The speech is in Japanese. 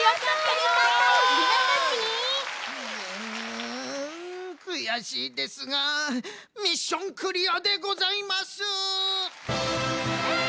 んくやしいですがミッションクリアでございます！